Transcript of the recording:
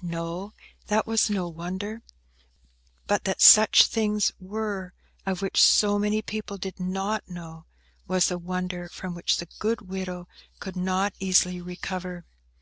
No, that was no wonder; but that such things were, of which so many people did not know, was a wonder from which the good widow could not easily recover.